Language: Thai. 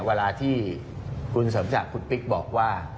เวลาที่ผู้หญิงศึกจักรปิ๊กบอกว่า